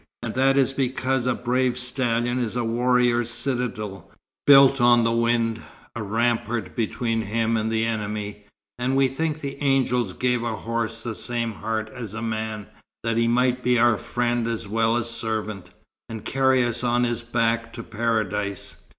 And that is because a brave stallion is a warrior's citadel, built on the wind, a rampart between him and the enemy. And we think the angels gave a horse the same heart as a man, that he might be our friend as well as servant, and carry us on his back to Paradise.